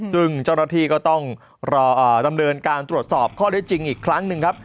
ซึ่งเจ้าหน้าที่ก็ต้องรอดำเนินการตรวจสอบข้อได้จริงอีกครั้งหนึ่งครับ